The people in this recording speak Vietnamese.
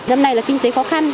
năm nay là kinh tế khó khăn